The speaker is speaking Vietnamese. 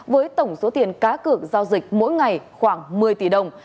với tổng số tiền cá cược giao dịch mỗi ngày khoảng một mươi tỷ đồng